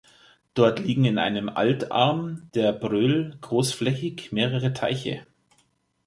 Dort liegen in einem Altarm der Bröl großflächig mehrere Teiche.